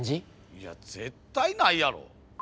いや絶対ないやろ。